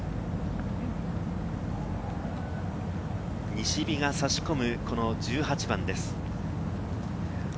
西日が差し込む１８番です。